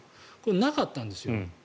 これ、なかったんですよ。